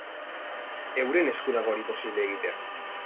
Euren esku dago hori posible egitea.